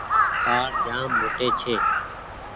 وآڙ جآم موٽي ڇي ۔